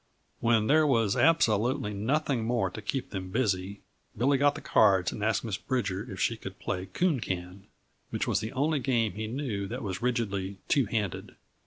When there was absolutely nothing more to keep them busy, Billy got the cards and asked Miss Bridger if she could play coon can which was the only game he knew that was rigidly "two handed."